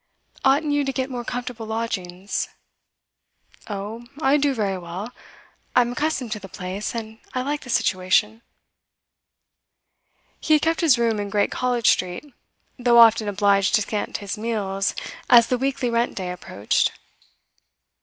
'Oughtn't you to get more comfortable lodgings?' 'Oh, I do very well. I'm accustomed to the place, and I like the situation.' He had kept his room in Great College Street, though often obliged to scant his meals as the weekly rent day approached.